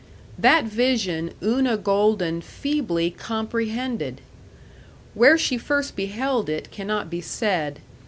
That vision Una Golden feebly comprehended. Where she first beheld it cannot be said.